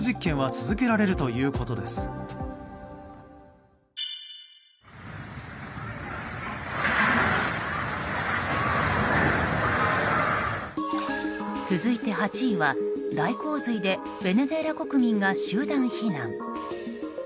続いて８位は、大洪水でベネズエラ国民が集団避難。